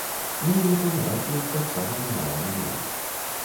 Ну і паміраць ён таксама не мае намеру.